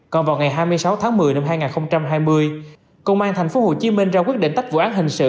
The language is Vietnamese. còn vào ngày hai mươi sáu tháng một mươi năm hai nghìn hai mươi công an tp hcm ra quyết định tách vụ án hình sự